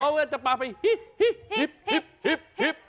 เขาจะมาไปฮิป